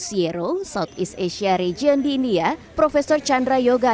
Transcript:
sierong south east asia region di india profesor chandra yoga aditama mengungkapkan